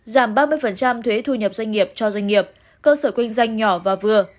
giảm ba mươi thuế thu nhập doanh nghiệp cho doanh nghiệp cơ sở kinh doanh nhỏ và vừa